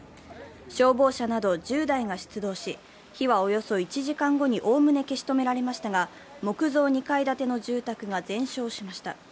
消防車など１０台が出動し火はおよそ１時間後におおむね消し止められましたが、木造２階建ての住宅が全焼しました。